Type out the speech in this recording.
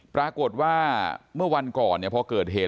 ปรากฏว่าเมื่อวันก่อนพอเกิดเหตุ